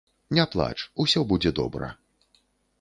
Не плач, усё будзе добра!